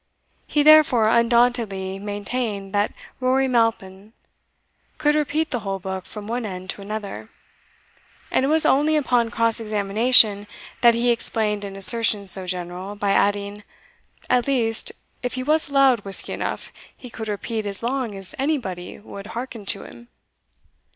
He therefore undauntedly maintained, that Rory MAlpin could repeat the whole book from one end to another; and it was only upon cross examination that he explained an assertion so general, by adding "At least, if he was allowed whisky enough, he could repeat as long as anybody would hearken to him."